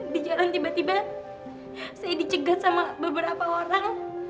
di jalan tiba tiba saya dicegat sama beberapa orang